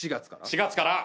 ４月から。